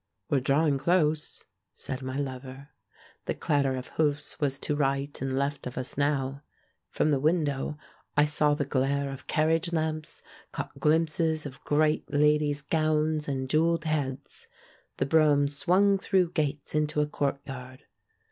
"We're drawing close," said my lover. The clatter of hoofs was to right and left of us now. From the window I saw the glare of car riage lamps, caught ghmpses of great ladies' gowns and jewelled heads. The brougham swung through gates into a courtyard.